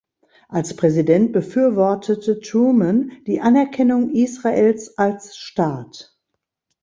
Als Präsident befürwortete Truman die Anerkennung Israels als Staat.